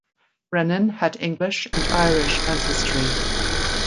Brenan had English and Irish ancestry.